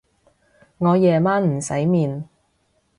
我夜晚唔使面